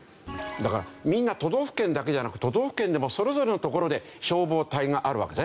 だからみんな都道府県だけじゃなく都道府県でもそれぞれの所で消防隊があるわけですね。